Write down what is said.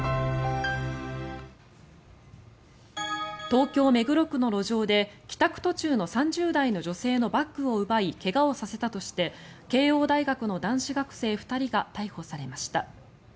東京・目黒区の路上で帰宅途中の３０代の女性のバッグを奪い怪我をさせたとして慶応大学の男子学生２人が逮捕されました。